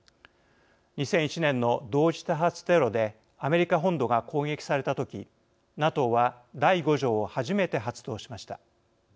２００１年の同時多発テロでアメリカ本土が攻撃された時ＮＡＴＯは第５条を初めて発動しました。